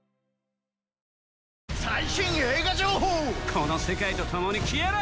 この世界と共に消えろ！